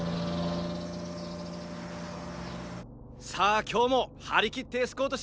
さあ今日も張り切ってエスコートしますよ！